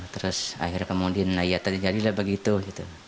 terus akhirnya kemudian ya terjadilah begitu gitu